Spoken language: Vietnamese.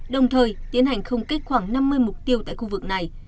đồng thời tiến hành không kích khoảng năm mươi mục tiêu tại khu vực này